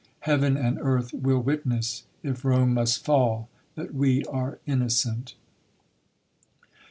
Heav'n and earth will witness. If Rome must fall, that we are innocent.